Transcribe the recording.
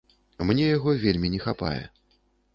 Мне яго вельмі не хапае.